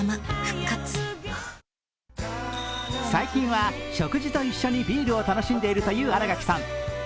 最近は食事と一緒にビールを楽しんでいるという新垣さん。